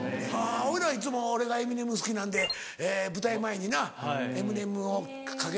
俺らはいつも俺がエミネム好きなんで舞台前になエミネムをかけて。